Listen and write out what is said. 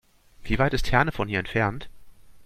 Wie weit ist Herne von hier entfernt?